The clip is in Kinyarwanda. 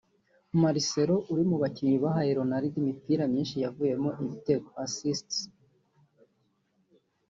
Marcelo uri mu bakinnyi bahaye Ronaldo imipira myinshi yavuyemo ibitego (assists)